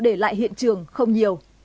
để lại hiện trường không nhiều